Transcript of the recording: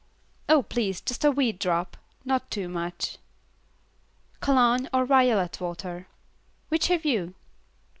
"Oh, please, just a wee drop, not too much." "Cologne or violet water?" "Which have you?"